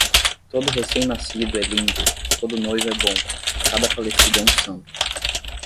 Todo recém-nascido é lindo, todo noivo é bom, cada falecido é um santo.